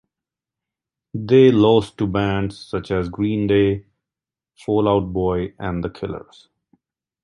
They lost to bands such as Green Day, Fall Out Boy, and The Killers.